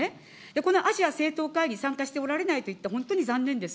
このアジア政党会議、参加しておられないと言った、本当に残念です。